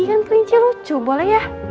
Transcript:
ini kan kelinci lucu boleh ya